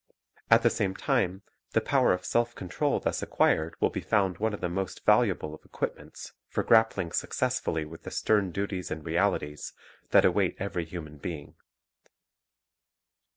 At the same time the power of self control thus acquired will be found one of the most valuable of equipments for grappling successfully with the stern duties and realities that await every human being.